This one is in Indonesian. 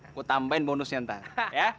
aku tambahin bonusnya ntar ya